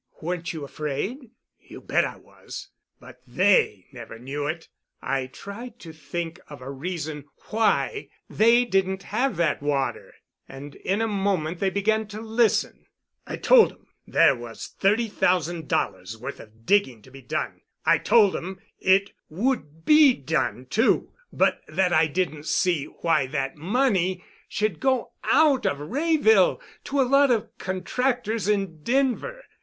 "Weren't you afraid?" "You bet I was. But they never knew it. I tried to think of a reason why they didn't have that water, and in a moment they began to listen. I told 'em there was thirty thousand dollars' worth of digging to be done. I told 'em it would be done, too, but that I didn't see why that money should go out of Wrayville to a lot of contractors in Denver.